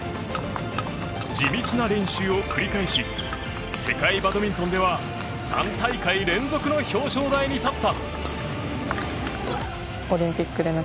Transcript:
地道な練習を繰り返し世界バドミントンでは３大会連続の表彰台に立った。